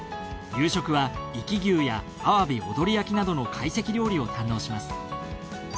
夕食は壱岐牛やアワビ踊り焼きなどの会席料理を堪能します。